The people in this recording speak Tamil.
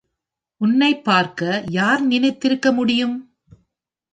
உன்னைப் பார்க்க யார் நினைத்திருக்க முடியும்!